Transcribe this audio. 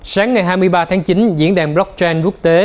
sáng ngày hai mươi ba tháng chín diễn đàn blockchain quốc tế